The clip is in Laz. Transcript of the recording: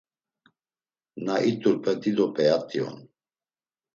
Na it̆urpe dido p̌eat̆i on.